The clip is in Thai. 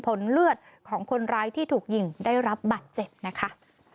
เลือดของคนร้ายที่ถูกยิงได้รับบัตรเจ็บนะคะ